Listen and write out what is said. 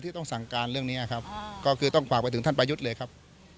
ต้องสั่งการเรื่องนี้ครับก็คือต้องฝากไปถึงท่านประยุทธ์เลยครับ